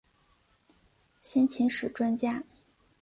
先秦史专家。